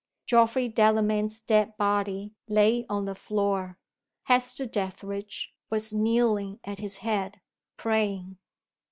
Geoffrey Delamayn's dead body lay on the floor. Hester Dethridge was kneeling at his head, praying.